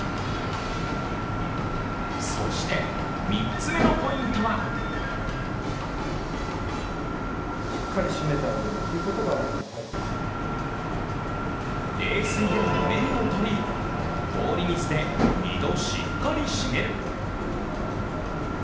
そして３つ目のポイントは冷水でぬめりをとり、氷水で２度しっかり締める。